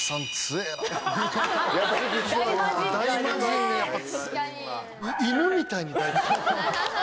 大魔神やっぱ。